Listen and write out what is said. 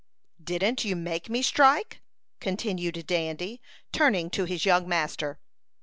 "Didn't you make me strike?" continued Dandy, turning to his young master.